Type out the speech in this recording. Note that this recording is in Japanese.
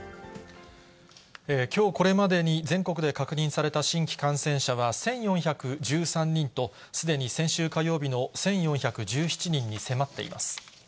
きょうこれまでに全国で確認された新規感染者は１４１３人と、すでに先週火曜日の１４１７人に迫っています。